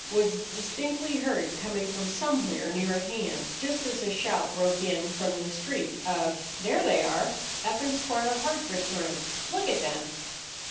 was distinctly heard coming from somewhere near at hand, just as a shout broke in from the street of,— "There they are—up in Squire Hardgrit's room! Look at them!"